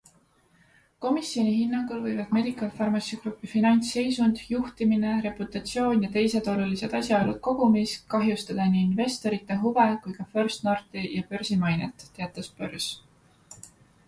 Komisjoni hinnangul võivad Medical Pharmacy Groupi finantsseisund, juhtimine, reputatsioon ja teised olulised asjaolud kogumis kahjustada nii investorite huve kui ka First Northi ja börsi mainet, teatas börs.